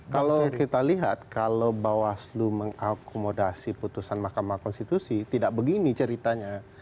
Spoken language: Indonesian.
kalau kita lihat kalau bawah seluruh mengakomodasi putusan makam konstitusi tidak begini ceritanya